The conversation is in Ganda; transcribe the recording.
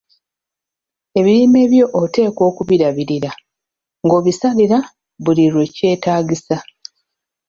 Ebirime byo oteekwa okubirabirira, ng‘obisalira buli lwekyetaagisa.